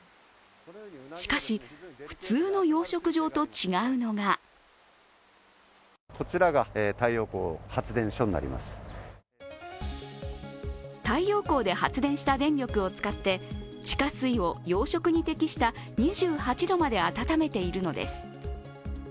しかし、普通の養殖場と違うのが太陽光で発電した電力を使って地下水を養殖に適した２８度まで温めているのです。